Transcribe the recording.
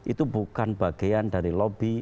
itu bukan bagian dari lobby